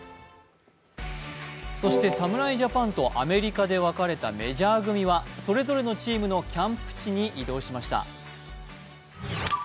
そして侍ジャパンとアメリカで別れたメジャー組は、それぞれのチームのキャンプ地へ移動しました。